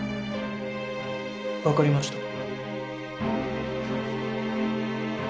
分かりました。